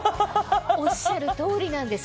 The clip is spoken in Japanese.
おっしゃる通りなんです。